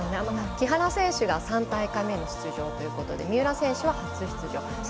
木原選手が３大会目の出場ということで三浦選手は初出場。